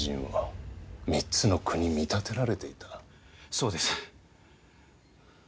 そうです。